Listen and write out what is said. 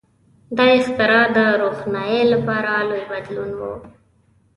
• دا اختراع د روښنایۍ لپاره لوی بدلون و.